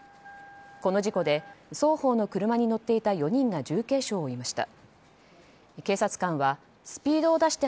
この事故で双方の車に乗っていた４人が重軽傷を負いました。